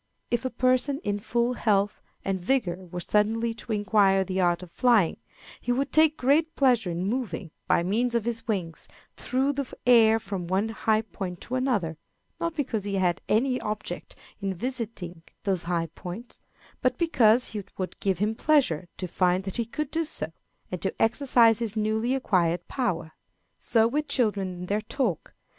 If a person in full health and vigor were suddenly to acquire the art of flying, he would take great pleasure in moving, by means of his wings, through the air from one high point to another, not because he had any object in visiting those high points, but because it would give him pleasure to find that he could do so, and to exercise his newly acquired power. So with children in their talk.